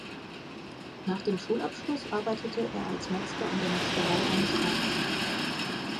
Nach dem Schulabschluss arbeitete er als Metzger in der Metzgerei seines Vaters.